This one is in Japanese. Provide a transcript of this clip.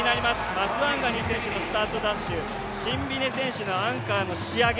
マスワンガニー選手のスタートダッシュ、シンビネ選手のアンカーの仕上げ